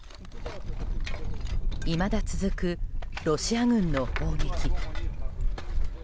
いまだ続くロシア軍の攻撃。